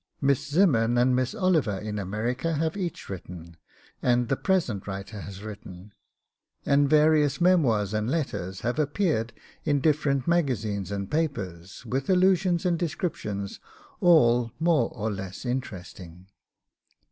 Miss Zimmern and Miss Oliver in America have each written, and the present writer has written, and various memoirs and letters have appeared in different magazines and papers with allusions and descriptions all more or less interesting.